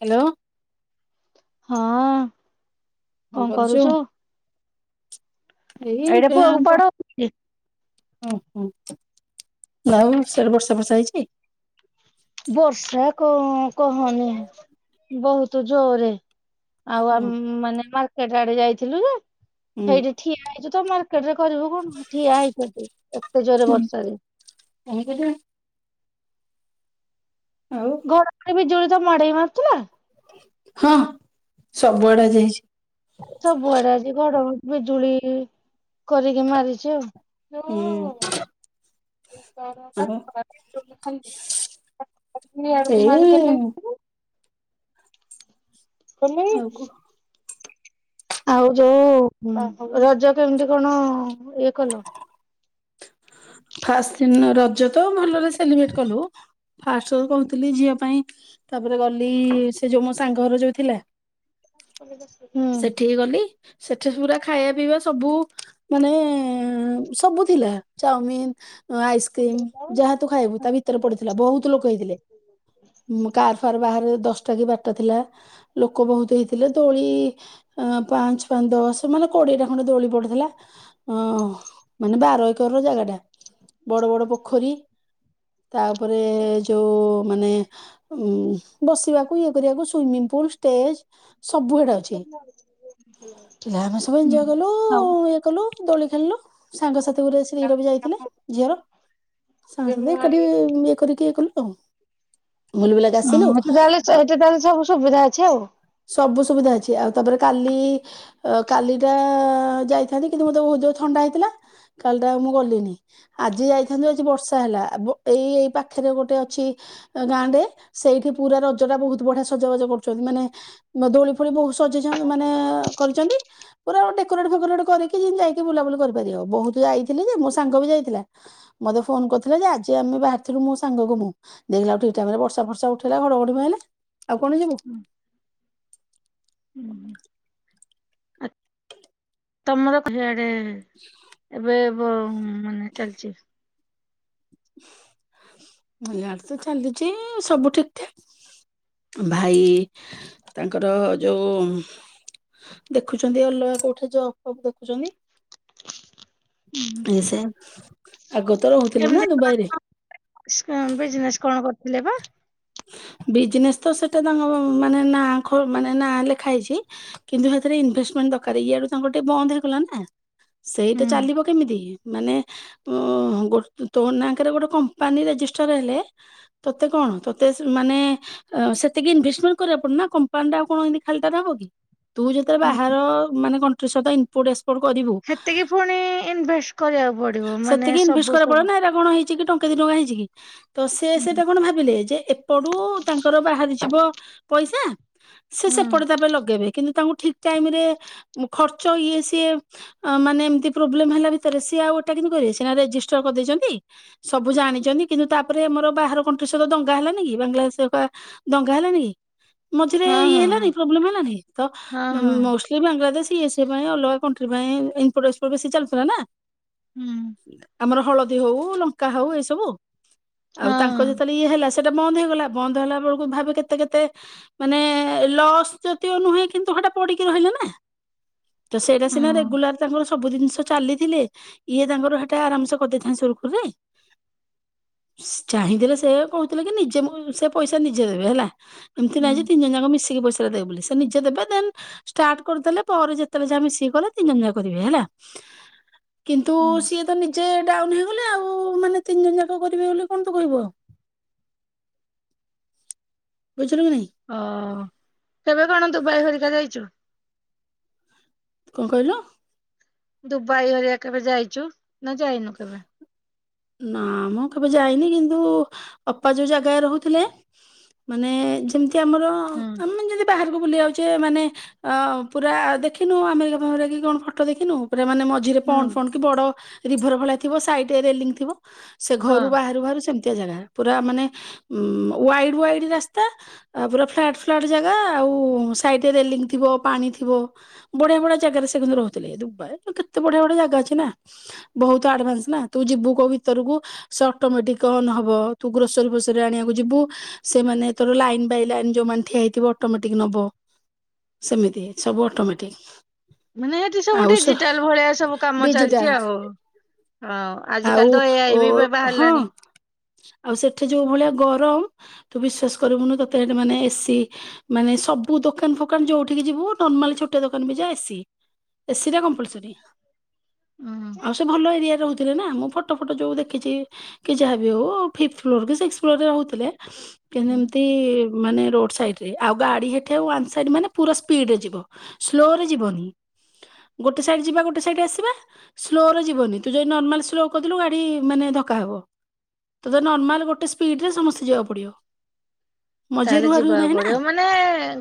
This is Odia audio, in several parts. ହାଲୋ ହଁ। କଣ କରୁଚୁ ଏଇ ଏଇଠୀ ପୁଅକୁ ବ ପଢ ଓହୋ ଆଉ ସିଆଡେ ବର୍ଷା ଫର୍ଷା ହେଇଛି। ବର୍ଷା କ କହନି ବହୁତ ଜୋରେ। ଆଉ ଆ ହୁଁ ମାନେ ମାର୍କେଟ ଆଡେ ଯାଇଥିଲୁ ହୁଁ ସେଇଠି ଠିଆ ହେଇଛୁ ତ ମର୍। ଏଥିରେ କରିବୁ କଣ ଠିଆ ହେଇଛନ୍ତି ଏତେ ଜୋରରେ ବର୍ଷାରେ। କାହିଁକି ଯେ। ଆଉ ଘଡଘଡି ବିଜୁଳି ତମ ଆଡେ ବି ମାରୁଥିଲା। ହଁ ସବୁଆଡେ ଆଜି ହେଇଛି। ସବୁଆଡେ ଆଜି ଘଡଘଡି ବିଜୁଳି କରିକି ମାରିଛି ଆଉ। ହୁଁ। ଆଉ [unintelligible] ଆଡକୁ ଏଇ ମାରିଦେଲେ। ଆଉ କଣ [unintelligible] ଆଉ ଯୋଉ ରଜ କେମିତି କଣ ଇଏ କଲ। ଫାଟ ଦିନ ରଜ ତ ଭଲରେ ସେଲିବ୍ରେଟ କଲୁ। ଫାଷ୍ଟ କହୁଥିଲି ଝିଅ ପାଇଁ ତାପରେ ଗଲି ସେ ଯୋଉ ମୋ ସାଙ୍ଗ ଘର ଯୋଉ ଥିଲା। [inaudible] ସେଠିକି ଗଲି ସେଠି ପୁରା ଖାଇବା ପିଇବା ସବୁ ମାନେ ସବୁ ଥିଲା ଚାଉମିନ ଆଇସ୍କ୍ରିମ ଯାହା ତୁ ଖାଇବୁ ତା ଭିତରେ ପଡ଼ିଥିଲା। ବହୁତ ଲୋକ ହେଇଥିଲେ। କାର୍ ଫାର୍ ବାହାରେ ଦଶଟା କି ବାରଟା ଥିଲା। ଲୋକ ବହୁତ ହେଇଥିଲେ ଦୋଳି ପାଞ୍ଚ ପାଞ୍ଚ ଦଶ ମାନେ କୋଡ଼ିଏଟା ଖଣ୍ଡେ ଦୋଳି ପଡ଼ିୁଥିଲା। ହଁ ମାନେ ବାର ଏକର ର ଜାଗା ଟା ବଡ଼ ବଡ଼ ପୋଖରୀ। ତାପରେ ଯୋଉ ମାନେ ଉ ବସିବାକୁ ଇଏ କରିବାକୁ ସୁଇମିଙ୍ଗ ପୁଲ ଷ୍ଟେଜ ସବୁ ସେଟା ଅଛି। [unintelligible] ପିଲା ମାନେ ସବୁ ହୁଁ ଏଞ୍ଜୟ କଲୁ ହଉ ଇଏ କଲୁ ଦୋଳି ଖେଳିଲୁ। ସାଙ୍ଗସାଥି ଗୁଡ଼ା ଶୀର ବି ଯାଇଥିଲେ। ଝିଅର, ସାଙ୍ଗସାଥି ଏକାଠି ଇଏ କରିକି କିଏ କଇଲୁ ଓ। ଓହଁ ଏଠି ତାହେଲେ ଆ ଏଠି ତାହେଲେ ସବୁ ସୁବିଧା ଅଛି ଆଉ। ସବୁ ସୁବିଧା ଅଛି। ଆଉ ତାପରେ କାଲି ଅ କାଲି ଟା ଯାଇଥାନ୍ତି କିନ୍ତୁ ମୋତେ ଯୋଉ ଥଣ୍ଡା ହେଇଥିଲା କାଲି ଟା ମୁଁ ଗଲିନି। ଆଜି ଯାଇଥାନ୍ତୁ ଆଜି ବର୍ଷା ହେଲା। ଏଇ ଏଇ ପାଖରେ ଗୋଟେ ଅଛି ଗାଁଟେ। ସେଇଠି ପୁରା ରଜଟା ବହୁତ ବଢିଆ ସଜବାଜ କରୁଛନ୍ତି। ମାନେ ଦୋଳି ଫୋଳି ବହୁତ ସଜେଇଛନ୍ତି। ମାନେ କରିଛନ୍ତି। ପୁରା ଗୋଟେ ଡେକୋରେଟ ଫୋରେଟ କରିକି ଯାଇକି ବୁଲାବୁଲି କରିପାରିବ। ବହୁତ ଯାଇଥିଲି ଯେ ମୋ ସାଙ୍ଗ ବି ଯାଇଥିଲା। ମତେ ଫୋନ କରିଥିଲା ଯେ ଆଜି ଆମେ ବାହାରିଥିଲୁ ମୋ ସାଙ୍ଗ କୁ ମୁଁ। ଦେଖିଲାକୁ ଠିକ ଟାଇମରେ ବର୍ଷା ଫର୍ଷା ଉଠେଇଲା ଘଡ଼ଘଡ଼ି ମାଇଲା ଆଉ କଣ ଯିବୁ। [inaudible] ହୁଁଁ ହୁଁ। ତମର ହିଆଡ଼େ ଏବେ ବ ମାନେ ଚାଲିଛି? ଇଆଡ଼େ ତ ଚାଲିଛି ସବୁ ଠିକ ଠାକ୍। ଭାଇ ତାଙ୍କର ଯୋଉ ଦେଖୁଛନ୍ତି ଅଲଗା କୋଉଠି ଜବ ଫବ ଦେଖୁଛନ୍ତି। [inaudible] ଏ ସେ ଆଗ ତ ରହୁଥିଲେ ନା ଦୁବାଇରେ। ବିଜନେସ କଣ କରୁଥିଲେ ବା? ବିଜନେସ ତ ସେଟା ତାଙ୍କ ମାନେ ନାଁ ଖୋ ମାନେ ନାଁ ଲେଖା ହେଇଛି। କିନ୍ତୁ ସେଥିରେ ଇନଭେଷ୍ଟମେଣ୍ଟ ଦରକାର ଇଆଡ଼ୁ ତାଙ୍କର ଟିକେ ବନ୍ଦ ହେଇଗଲା ନା। ସେଇଟା ହୁଁ ଚାଲିବ କେମିତି ମାନେ ତୋ ନାଙ୍କରେ ଗୋଟେ କମ୍ପାନୀ ରେଜିଷ୍ଟର ହେଲେ ତୋତେ କଣ ତୋ ମାନେ ସେତିକି ଇନଭେଷ୍ଟମେଣ୍ଟ କରିବା ପଡ଼ିବନା କମ୍ପାନୀଟା ଆଉ କଣ ଏମତି ଖାଲିଟାରେ ହବ କି? ତୁ ଯେତେବେଳେ ହୁଁ ବାହାର ମାନେ କଣ୍ଟ୍ରି ସହିତ [unintelligible] ସେତିକି ପୁଣି ଇନଭେଷ୍ଟ କରିବାକୁ ପଡିବ ମାନେ ସେତିକି ଇନଭେଷ୍ଟ ସବୁ କରିବାକୁ ସବୁ ପଡିବନା ହେଗୁଡ଼ାକ କଣ ହେଇଛି କି ଟଙ୍କେ ଦି ଟଙ୍କା ହେଇଛି କି ତ ସେ ହୁଁ ସେଟା କଣ ଭାବିଲେ ଯେ ଏପଟୁ ତାଙ୍କର ବାହାରିଯିବ ପଇସା ସେ ହୁଁ ସେପଟେ ତାପପରେ ଲଗେଇବେ କିନ୍ତୁ ତାଙ୍କୁ ଠିକ ଟାଇମ ରେ ଖର୍ଚ୍ଚ ଇଏ ସିଏ ମାନେ ଏମତି ପ୍ରୋବ୍ଲେମ ହେଲା ଭିତରେ ସିଏ ଆଉ ଏଟା କେମିତି କରିବେ ସିନା ରେଜିଷ୍ଟର କରିଦେଇଛନ୍ତି ସବୁ ଜାଣିଛନ୍ତି। କିନ୍ତୁ ତାପରେ ଆମର ବାହାର କଣ୍ଟ୍ରି ସହିତ ଦଙ୍ଗ ଦଙ୍ଗା ହେଲାନ କି ବାଂଲା ଦେଶରେ ପା ଦଙ୍ଗା ହେଲାନି କି? ମଝିରେ ହଁ ଇଏ ହେଲାନି ପ୍ରୋବ୍ଲେମ ହେଲାନି ତ ହଁ ହଁ ହଁ ମୋ କି ବାଂଲାଦେଶ ଇଏ ସିଏ ପାଇଁ ଅଲଗା କଣ୍ଟ୍ରି ପାଇଁ ଇପୋଟକ୍ପୋର୍ଟ ବେଶୀ ଚାଲିଥିଲା ନ? ହୁଁ। ଆମର ହଳଦୀ ହଉ ଲଙ୍କା ହଉ ଏ ସବୁ ଆଉ ତାଙ୍କ ହଁ ଯେତେବେଳେ ଇଏ ହେଲା ସେଟା ବନ୍ଦ ହେଇଗଲା। ବନ୍ଦ ହେଲା ବେଳକୁ ଭାବେ କେତେ କେତେ ମାନେ ଲସ୍ ଯଦିଓ ନୁହେଁ କିନ୍ତୁ ହେଟା ପଡ଼ିକି ରହିଲା ନା ତ ସେଇଟା ସିନା ହଁ ରେଗୁଲାର ତାଙ୍କର ସବୁ ଜିନିଷ ଚାଲିଥିଲେ ଇଏ ତାଙ୍କର ସେଟା ଆରାମସେ କରିଦେଇଥାଏ ସୁରୁଖୁରୁରେ ଚାହିଁଥିଲେ ସେୟାକୁ ନିଜେ ମୁଁ ସେ ପଇସା ନିଜେ ଦେବେ ହେଲା ଏମିତି ହୁଁ ନାହିଁ ଯେ ତିନି ଜଣ ଯାକ ମିଶିକି ପଇସା ସେ ଦେବେ ବୋଲି ସେ ନିଜେ ଦେବେ ଦେନ ଷ୍ଟାର୍ଟ କରିଦେଲେ ପରେ ଯେତେବେଳେ ଯାହା ମିସିକି କଲେ ତିନି ଜଣ ଯାକ କରିବେ ହେଲା କିନ୍ତୁ ହୁଁ ସିଏ ତ ନିଜେ ଡାଉନ ହେଇଗଲେ ଆଉ ମାନେ ତିନି ଜଣ ଯାକ କରିବେ ବୋଲି କଣ ତୁ କହିବୁ ଆଉ ବୁଝିଲୁ କି ନାହିଁ? ଓ କେବେ କଣ ଦୁବାଇ ହରିକା ଯାଇଛୁ? କଣ କହିଲୁ? ଦୁବାଇ ହରିଆ କେବେ ଯାଇଛୁ ନା ଯାଇନୁ କେବେ? ନା ମୁଁ କେବେ ଯାଇନି କିନ୍ତୁ ଅପା ଯୋଉ ଜାଗାରେ ରହୁଥିଲେ ମାନେ ଯେମିତି ଆମର ହୁଁ ଆମେ ଯଦି ବାହାରକୁ ବୁଲି ଯାଉଛେ ମାନେ ଅ ପୁରା ଦେଖିନୁ ଆମେରିକା ଫାମେରିକାକି କଣ ଫଟୋ ଦେଖିନୁ ପୁରା ମନେ ମଜ ଝିରେ କି ପଣ୍ଡ ହୁଁ ଫଣ୍ଡ କି ବଡ ରିଭର ଭଳିଆ ଥିବ ସାଇଡ ଥିବ ସେ ହଁ ଘରୁ ବାହରୁ ବାହରୁ ସେ ଏମିତିଆ ଜାଗା ପୁରା ମାନେ ୱାଇଡ ୱାଇଡ ରାସ୍ତା ଆଉ ପୁରା ଫ୍ଲାଟ୍ ଫ୍ଲାଟ୍ ଜାଗା ଆଉ ସାଇଟ୍ ରେ ରେଲିଙ୍କ୍ ଥିବ ପାଣି ଥିବ ବଢିଆ ବଢିଆ ଜାଗାରେ ସେ କିନ୍ତୁ ରହୁଥିଲେ ଏ ଦୁବାଇ କେତେ ବଢିଆ ବଢିଆ ଜାଗା ଅଛି ନା ବହୁତ ଆଡଭାନ୍ସ ନା ତୁ ଯିବୁ କୋଉ ଭିତରକୁୁ ସେ ଅଟୋମେଟିକ ଅନ ହବ ତୁ ଗ୍ରୋସରୀ ଫୋସରୀ ଆଣିବାକୁ ଯିବୁ ସେମାନେ ଏ ତୋର ଲାଇନ୍ ବାଇ ଲାଇନ୍ ଯୋଉମାନେ ଠିଆ ହେଇଥିବ ଅଟୋମେଟିକ ନବ ସେମିତି ସବୁ ଅଟୋମେଟିକ୍। ମାନେ ଏଠି ସବୁ ଡିଜିଟାଲ ଭଳିଆ ସବୁ କାମ ଚାଲିଛି ଡିଜିଟାଲ ଆଉ ହଁ ଆଉ ଆଜିକାଲି ତ ଏ ଓ ଆଇ ବି ହଁ ବାହାରିଲାଣି। ଆଉ ସେଠି ଯୋଉ ଭଳିଆ ଗରମ ତୁ ବିଶ୍ଵାସ କରିବୁନୁ ତତେ ସେଠି ମାନେ ଏସି ମାନେ ସବୁ ଦୋକାନ ଫୋକାନ ଯୋଉଠିକି ଯିବୁ ନର୍ମାଲି ଛୋଟଆ ଦୋକାନ ବି ଯା ଏସି ଏସି ଟା କମ୍ପଲସରି ହୁଁ ଆଉ ସେ ଭଲ ଏରିଆରେ ରହୁଥିଲେ ନା ଆମ ଫଟୋ ଫଟ ଯୋଉ ଦେଖିଛି କି ଯାହାବି ହଉ ଫିଥ ଫ୍ଲୋର କି ସିକ୍ସି ଫ୍ଲୋର ରେ ରହୁଥିଲେ କି ହୁଁ ଏମତି ମାନେ ରୋଡ ସାଇଡ ରେ ଆଉ ଗାଡି ସେଠୁ ୱାନ ସାଇଡ ମାନେ ପୁରା ସ୍ପିଡରେ ଯିବ ସ୍ଲୋ ରେ ଯିବନି। ଗୋଟେ ସାଇଟ୍ ଯିବା ଗୋଟେ ସାଇଟ୍ ଆସିବା ସ୍ଲୋରେ ଯିବନି ତୁଯଦି ନର୍ମାଲ ସ୍ଲୋ କହିଥିଲୁ ଗାଡ଼ି ମାନେ ଧକା ହବ। ତତେ ନର୍ମାଲ ଗୋଟେ ସ୍ପିଡିରେ ସମସ୍ତେ ଯିବାକୁ ପଡ଼ିବ। ତାହଲେ ଯିବାକୁ ପଡ଼ିବ ମାନେ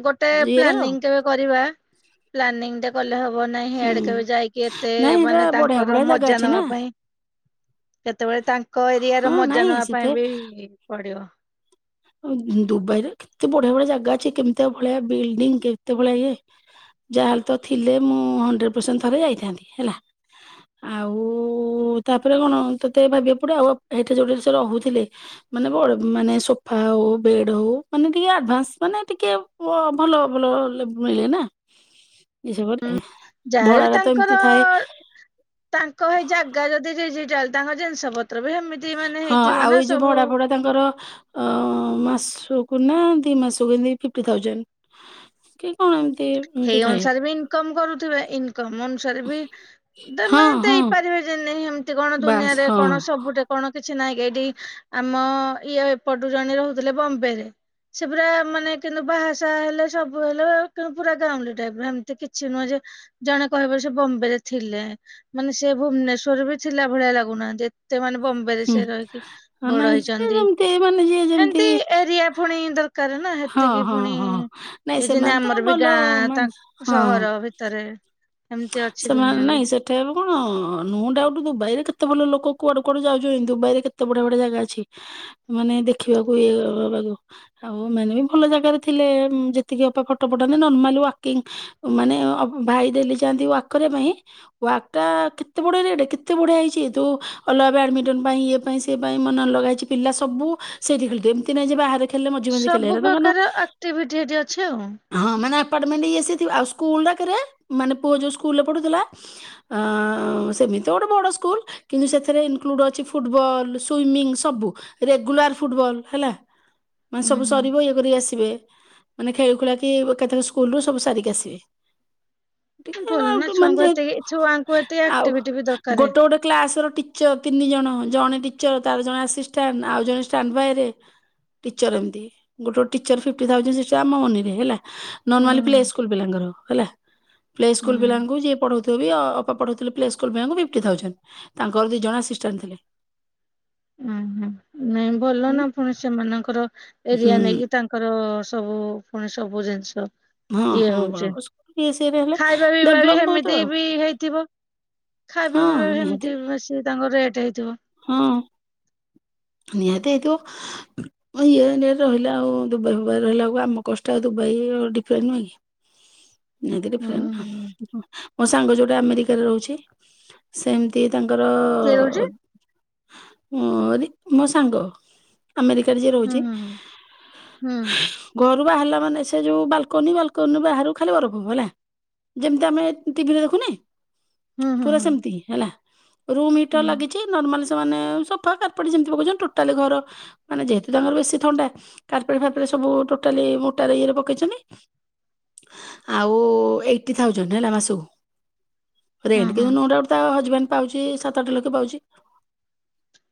ଗୋଟେ ଇଏର ପ୍ଲାନିଂ କେବେ କରିବା ପ୍ଲାନିଂଟା କଲେ ହବ ନାଇଁ ହୁଁ ହେଆଡ଼େ କେବେ ଯାଇକି ଏତେ ନାଇଁ ଏଟା ମାନେ ବଢିଆ ତାଙ୍କର ବଢିଆ ଜାଗା ମଜା ଅଛି ନା ନେବା ପାଇଁ କେତେବେଳେ ତାଙ୍କ ହଁ ଏରିଆର ମଜା ନାଇଁ ନେବା ସେତେ ପାଇଁବି ପଡ଼ିବ। ଅଁ ଦୁବାଇରେ କେତେ ବଢ଼ିଆ ବଢ଼ିଆ ଜାଗା ଅଛି କେମିତି ଭଳିଆ ବିଲ୍ଡିଂ କେତେ ଭଳିଆ ଇଏ ଯାହାେଲେତ ଥିଲେ ମୁଁ ହଣ୍ଡ୍ରେଡ ପରସେଣ୍ଟ ଥରେ ଯାଇଥାଆନ୍ତି ହେଲା ଆଉ ତାପରେ କଣ ତତେ ଭାବିବା ପଡ଼ିବ ଆଉ ଏଇଠି ଯୋଉଟି ସେ ରହୁଥିଲେ ମାନେ ବ ମାନେ ସୋ ସଫା ହଉ ବେଡ଼ ହଉ ମାନେ ଟିକେ ଆଡଭାନ୍ସ ମାନେ ଟିକେ ଭଲ ଭଲ ଲେ ମିଳେନା। [inaudible] ହୁଁ ଯାହାରବି ତାଙ୍କର ଥାଏ ତାଙ୍କ ହେଇ ଜାଗା ଯଦି ଡିଜିଟାଲ ତାଙ୍କ ଜିନିଷ ପତ୍ରବି ସେମିତି ମାନେ ହଁ ଆଉ ହେଇଥିବନା ଏଇ ଯୋଉ ସବୁ ଭଡା ଭଡା ତାଙ୍କର ଅଁ ମାସକୁନା ଦିଇ ମାସକୁ ଏମିତି ଫିଫିଟ୍ ଥାଉଜେଣ୍ଟ। କି କଣ ଏମି ସେଇ ଅନୁସାରେବି ଇନକମ୍ କରୁଥିବେ ଇନକମ୍ ସିରେବି ହଁ ମାନେ ହଁ ଦେଇପାରିବେ ଯେମିତି ହେମିତି କଣ ବାସ୍ ଦୁନିଆରେ ହଁ କଣ ସବୁ ଟେ କଣ କିଛି ନାଇଁକି ଏଇଠି ଆମ ଇଏ ଏପଟୁ ଜଣେ ରହୁଥିଲେ ବମ୍ବେରେ ସେ ପୁରା ମାନେ କିନ୍ତୁ ବାହାସାହା ହେଲେ ସବୁ ହେଲେ ପୁରା ଗାଉଁଲି ଟାଇପର ହେମିତି କିଛି ନୁହଁଯେ ଜଣେ କହିବେ ସେବମ୍ବେରେ ଥିଲେ ମାନେ ସେ ଭୁବନେଶ୍ବରବି ଥିଲା ଭଳିଆ ଲାଗୁନାହାନ୍ତି ଏତେ ସେମାନେ ବମ୍ବେରେ ହୁଁ ସେରହିକି ହଁ ବଡ଼ ନାଇଁ ସେ ହେଇଚନ୍ତି ଯେମିତି ମାନେ ଯିଏ ଯେମିତି ହେମ୍ତି ଏରିଆ ଫୁଣି ଦ୍ କାରଣ ହଁ ହେତିକି ହଁ ଫୁଣି ହଁ ନାଇଁ ଏସିନା ସେମାନେ ତ ଆମରବି ଭଲ ଗାଁ ମାନେ ତାଙ୍କ ହଁ ସହର ହେ ତାରେ ସେମାନେ ନାଇଁ ସେ ଟେବ୍ କଣ ନୋଡାଉଟ୍ ଦୁବାଇରେ କେତେ ଭଲ ଲୋକ କୁଆଡୁ-କୁଆଡୁ ଯାଉଚନ୍ତି ଦୁବାଇରେ କେତେ ବଢିଆ-ବଢିଆ ଜାଗା ଅଛି। ମାନେ ଦେଖିବାକୁ ଏବାବାକୁ ଆଉ ଏମାନେବି ଭଲ ଜାଗାରେ ଥିଲେ ଯେତିକି ଅପା ଫଟୋ ପଠାନ୍ତି ନର୍ମାଲି ୱାକିଂଙ୍ଗ୍ ମାନେ ଅ ଭାଇ ଡେଲି ଯାଆନ୍ତି ୱାକ୍ କରିବା ପାଇଁ ୱାରଟା କେତେ ବଢିଆ ରେଟ୍ କେତେ ବଢିଆ ହେଇଚି ଏଦୋ ଅଲଗା ବ୍ୟାଡ୍ ମିଣ୍ଟନ୍ ପାଇଁ ଇଏ ପାଇଁ ସି ପାଇଁ ମନେ ଲଗ ହେଇଚି ପିଲା ସବୁ ସେଇଠି ଖେଳୁଥିବେ ଏମ୍ତି ନାହିଁଯେ ବାହାରେ ଖେଳିଲେ ମଝି ମଝି ଖେଳିଲେ ସବୁ ହେରା ତ କାରଣ ପ୍ରକାର ଆକ୍ଟିଭିଟି ଅଛି ଆଉ। ହଁ ମାନେ ଆପାର୍ଟମେଣ୍ଟ୍ ଏଇ ସିଏଥିବ ଆଉ ସ୍କୁଲ୍ ପାଖରେ ମାନେ ପୁଅ ଯୋଉ ସ୍କୁଲରେ ପଢୁଥିଲା ଅ ସେମିତିତ ଗୋଟେ ବଡ଼ ସ୍କୁଲ୍ କିନ୍ତୁ ସେଥିରେ ଇନ୍ କ୍ଲୁଡ୍ ଅଛି ଫୁଟବଲ୍ ସୁଇମିଙ୍ଗ୍ ସବୁ ରେଗୁଲାର୍ ଫୁଟବଲ୍ ହେଲା। ମାନେ ହୁଁ ସବୁ ହୁଁ ସରିବ ଇଏ କରିକି ଆସିବେ ମାନେ ଖେଳି ଖୁଳାକି ଏକାଥରେ ସ୍କୁଲରୁ ସବୁ ସାରିକି ଆସିବେ। ଟିକେ ଭଲ ନା ଆଉଟୁ ମାନେ ଛୁଆଙ୍କୁ ଏତେ ଛୁଆଙ୍କୁ ଏତେ ଯେହେତୁ ଆଉ ଆକ୍ଟିଭିଟି ବି ଦରକାର। ଗୋଟେ-ଗୋଟେ କ୍ଲାସର ଟି ଚ ତିନି ଜଣ ଜଣେ ଟିଚର୍ ତାର ଜଣେ ଆସିଷ୍ଟାଣ୍ଟ୍ ଆଉ ଜଣେ ଷ୍ଟାଣ୍ଡ୍ ବାଏରେ ଟିଚର୍ ଏମତି ଗୋଟେ ଗୋଟେ ଟିଚର୍ ଫିଫ୍ଟି ଥାଉଜେଣ୍ଟେ ଆମ ମନିରେ ହେଲା। ହୁଁ ନର୍ମାଲି ପ୍ଲେ ସ୍କୁଲ୍ ପିଲାଙ୍କର ହେଲା। ପ୍ଲେ ସ୍କୁଲ୍ ହୁଁ ପିଲାଙ୍କୁ ଯିଏ ପଢୁଥିବେବ ଅପା ପଢଥିଲେ ପ୍ଲେ ସ୍କୁ ପିଲାଙ୍କୁ ଫିଫ୍ଟି ଥାଉଜେଣ୍ଟେ। ତାଙ୍କର ଦି ଜଣ ଆସିଷ୍ଟାଣ୍ଟ୍ ଥିଲେ। ଉହୁଁ ନାଇଁ ହୁଁ ଭଲନା ପୁଣି ସେମାନଙ୍କର ଏରିଆ ହୁଁ ନେଇକି ତାଙ୍କ କରିବ ସବୁ ଫୁଣି ସବୁ ଜିନିଷ। ହଁ ଇଏ ହଁ ହଉଚି ବଡ଼ ସ୍କୁଲ ଇଏ ସିଏରେ ହେଲେ ଖାଇବା ପିଇବା ଡେଭଲପ ବି ବହୁତ ହେମିତି ଆଉ ବି ହେଇଥିବ। ହଁ ଖାଇବା ପିଇବା ହେମ୍ ନିହାତି। ତି ବେଶୀ ତାଙ୍କର ରେଟ୍ ହେଇଥିବ। ହଁ। ନିହାତି ହେଇଥିବ। ମୁଁ ଇଏରେ ରହିଲା ଆଉ ଦୁବାଇ ଫୁବାଇ ରହିଲାକୁ ଆମ କଷ୍ଟ ଆଉ ଦୁବାଇ ଡିଫରେଣ୍ଟ୍ ନୁହେଁ କି? ନିହାତି ହୁଁ ଡ଼ିଫରେଣ୍ଟ ହୁଁ ନା ମୋ ସାଙ୍ଗ ଯୋଉଟା ଆମେରିକା ରେ ରହୁଛି। ସେମ୍ ତି ତାଙ୍କର କିଏ ରହୁଛି? ମୋରି ମୋ ସାଙ୍ଗ ଆମେରିକାରେ ଯିଏ ହୁଁ ରହୁଚି। ହୁଁ ହୁଁ ଘରୁ ବାହାରିଲା ମାନେ ସେ ଯୋଉ ବାଲକୋନି ବାଲକୋନିରୁ ବାହାରୁ ଖାଲି ବରଫ ହବ ହେଲା। ଯେମ୍ ତି ଆମେ ଟିଭିରେ ଦେଖୁନେ? ହୁଁ ହୁଁ ହୁଁ ପୁରା ହୁଁ ସେମ୍ ତି ହେଲା ରୁମ୍ ହୁଁ ହିଟର୍ ଲାଗିଚି ନର୍ମାଲି ସେମାନେ ସଫା କା ଏପଟେ ଯେମିତି ପକଉଚନ୍ତି ଟୋଟାଲି ଘର ମାନେ ଯେହେତୁ ତାଙ୍କର ବେଶୀ ଥଣ୍ଡା। କାରପେଟ୍ ଫାର୍ପେଟ୍ ସବୁ ଟୋଟାଲି ମୋଟା ଇଏରେ ପକେଇଚମି। ଆଉ ଏଇଟି ଥାଉଜେଣ୍ଡ୍ ହେଲା ମାସକୁ। ହଁ ରେଣ୍ଟ୍ ହଁ। କିନ୍ତୁ ନୋ ଡାଉଟ୍ ତା ହଜବେଣ୍ଡ୍ ପାଉଚି ସାତ ଆଠ ଲକ୍ଷ ପାଉଚି।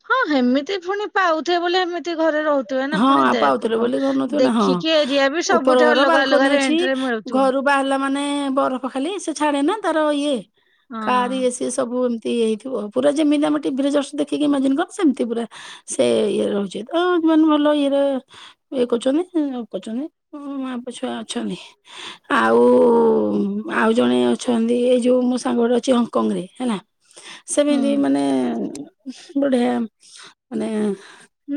ହଁ ହେମିତି ଫୁଣି ପାଉଥିବେ ବୋଲି ଏମିତି ଘରେ ରହୁ ତୁ ନା ହଁ ଫୁଣି ଆଉ ଦେ ପାଉଥିଲେ ବୋଲି କରୁନଥିବେ ନା ହଁ ଦେଖିକି ଏରିଆ ବି ଉପର ସବୁଠି ଘର ବାଲକୋନି ଅଲଗା-ଅଲଗା ଅଛି ରେଣ୍ଟ୍ ରେ ମିଳୁଥିବ। ଘରୁ ବାହାରିଲା ମାନେ ବରଫ ଖାଲି ସେ ଛାଡେ ନା ତାର ଇଏ କାରି ହଁ। ସେ ସବୁ ଏମିତି ହେଇଥିବ ପୁରା ଯେମିତି ଆମେ ଟିଭିରେ ଜସ୍ ଦେଖିକି ସେମିତି ପୁରା। ସେ ଇଏ ରହୁଚି ତ। ମାନେ ଭଲ ଇଏରେ ଇଏ କରୁଚନ୍ତି-କରୁଚନ୍ତି ମାପ ଛୁଆ ଅଛନ୍ତି। ଆଉ-ଆଉ ଜଣେ ଅଛନ୍ତି ଏଇ ଯୋଉ ମୋ ସାଙ୍ଗ ଗଟେ ଅଛି ହଙ୍ଗ୍ କଙ୍ଗ୍ ରେ ହେଲା। ସେମିତି ହୁଁ ମାନେ ବଢ଼ିଆ ମାନେ।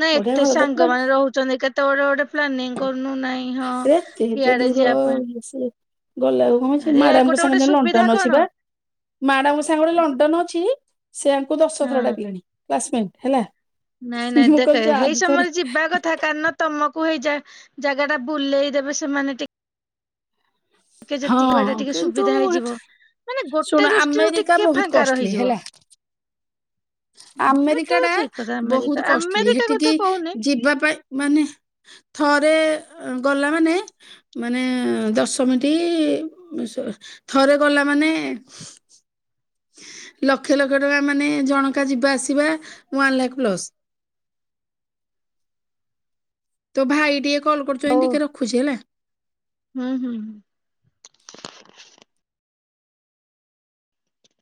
ନାଇଁ ବଢିଆ ଏତେ ଘର ଦରକାର ସାଙ୍ଗମାନେ ରହୁଚନ୍ତି କେତେ ଗଡ଼େ ଗୋଟେ ପ୍ଲାନିଂ କରୁନୁ ନାଇଁ ହଁ। ଏ ଏତେ ଇଆଡେ ଦୂର୍ ଯିବା ପାଇଁ ଗଲେ ଆଉ କଣ ଅଛି ଆରେ ମ୍ୟାଡାମଙ୍କ ଗୋଟେ ସାଙ୍ଗେ ଗୋଟେ ଯେ ସୁବିଧା ଲଣ୍ଡନ୍ କଣ ଅଛିିବା। ମ୍ୟାଡାମ ସାଙ୍ଗରେ ଗୋଟେ ଲଣ୍ଡନ ଅଛି ସେ ଆଙ୍କୁ ଦଶ ଥର ହଁ। ଡାକିଲେଣି କ୍ଲାସମେଟ ହେଲା। ନାଇଁ ନାଇଁ ମୁଁ ଦେଖେ କହିଲି ଯା ହେଇ ଦି ଥର ସମୟରେ ଯିବା କଥା କାରଣ ତମକୁ ହେଇ ଜାଗା ଟା ବୁଲେଇଦେବେ ସେମାନେ ଟିକ୍ ବାଟ ହଁ ଟିକେ କିନ୍ତୁ ସୁବିଧା ହେଇଯିବ। ମାନେ ଗୋଟେ ଶୁଣୁ ଦୃଷ୍ଟିରୁ ଆମେରିକା ଟିକେ ବହୁତ ଫାଙ୍କା କଷ୍ଟଲି ରହିଯିବ ହେଲା। ଏଟା ଆମେରିକାଟା ଠିକ କଥା ଆମେରିକା ବହୁତ କଷ୍ଟଲି ଆମେରିକା ସେଟିକି କଥା କହୁନି ଯିବା ପାଇଁ ମାନେ ଥରେ ଗଲା ମାନେ ମାନେ ଦଶମିଟି ଥରେ ଗଲା ମାନେ ଲକ୍ଷ ଲକ୍ଷ ଟଙ୍କା ମାନେ ଜଣକା ଯିବା ଆସିବା ୱାନ୍ ଲାଖ ପ୍ଲସ୍ ତୋ ଭାଇ ଟିକେ କଲ୍ କରୁଚନ୍ତି ହଉ ଟିକେ ରଖୁଛି ହେଲା। ହୁଁ ହୁଁ।